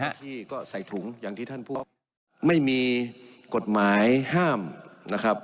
ที่ก็ใส่ถุงอย่างที่ท่านพูดไม่มีกฎหมายห้ามนะครับ